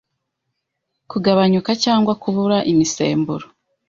Kugabanyuka cyangwa kubura imisemburo